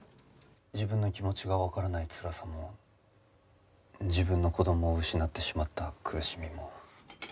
自分の気持ちがわからないつらさも自分の子供を失ってしまった苦しみも。